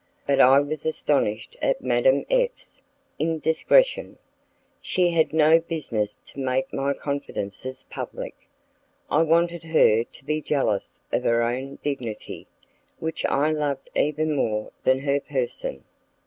But I was astonished at Madame F 's indiscretion; she had no business to make my confidences public. I wanted her to be jealous of her own dignity, which I loved even more than her person.